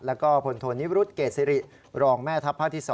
แล้วก็พลโทนิรุธเกษริรองแม่ทัพภาคที่๒